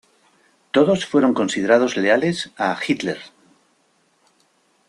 Todos fueron considerados leales a Hitler.